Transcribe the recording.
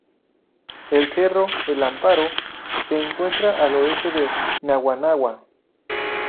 El Cerro El Amparo se encuentra al oeste de Naguanagua.